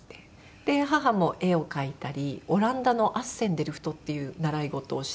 で母も絵を描いたりオランダのアッセンデルフトっていう習い事をして。